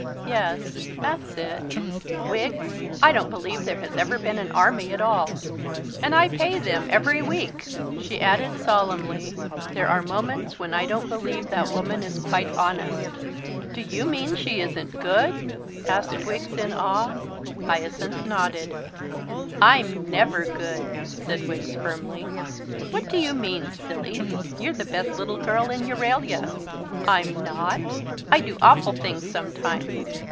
"Yes. That's it. Wiggs, I don't believe there has ever been an Army at all. ... And I pay them every week!" She added solemnly, "There are moments when I don't believe that woman is quite honest." "Do you mean she isn't good?" asked Wiggs in awe. Hyacinth nodded. "I'm never good," said Wiggs firmly. "What do you mean, silly? You're the best little girl in Euralia." "I'm not. I do awful things sometimes.